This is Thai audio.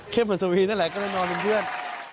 เข้มเหมือนสวีนนั่นแหละก็เลยนอนเป็นเพื่อน